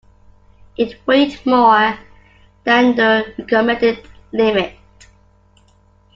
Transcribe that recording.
It weighed more than the recommended limit.